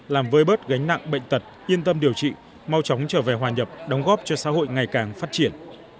làm vơi bớt gánh nặng bệnh tật yên tâm điều trị mau chóng trở về hòa nhập đóng góp cho xã hội ngày càng phát triển